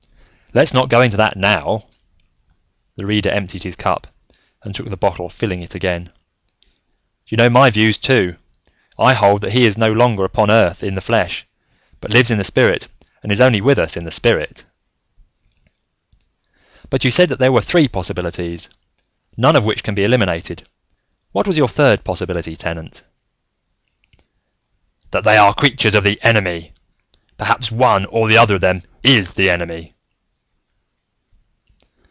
"Let's not go into that, now." The Reader emptied his cup and took the bottle, filling it again. "You know my views, too. I hold that He is no longer upon earth in the flesh, but lives in the spirit and is only with us in the spirit. "But you said there were three possibilities, none of which can be eliminated. What was your third possibility, Tenant?" "That they are creatures of the Enemy, perhaps that one or the other of them is the Enemy."